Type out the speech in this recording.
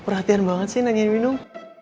gak pengen minum